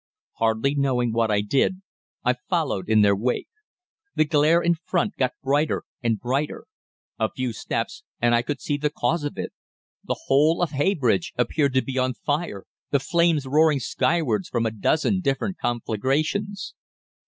Hardly knowing what I did, I followed in their wake. The glare in front got brighter and brighter. A few steps, and I could see the cause of it. The whole of Heybridge appeared to be on fire, the flames roaring skywards from a dozen different conflagrations."